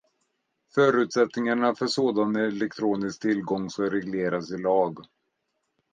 Förutsättningarna för sådan elektronisk tillgång ska regleras i lag.